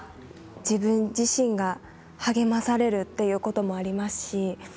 自分自身が励まされるということもありますし